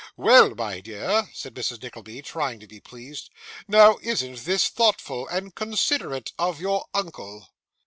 'Well, my dear,' said Mrs. Nickleby, trying to be pleased, 'now isn't this thoughtful and considerate of your uncle?